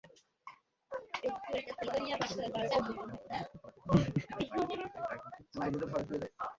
শিশুদের অধিকাংশ পরীক্ষা-নিরীক্ষা করাতে হচ্ছে হাসপাতালের বাইরে বেসরকারি ডায়াগনস্টিক সেন্টার থেকে।